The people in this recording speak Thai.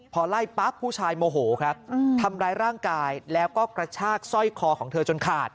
พอไล่ปั๊บผู้ชายโมโหครับทำร้ายร่างกายแล้วก็กระชากสร้อยคอของเธอจนขาด